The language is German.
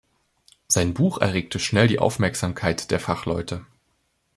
Sein Buch erregte schnell die Aufmerksamkeit der Fachleute.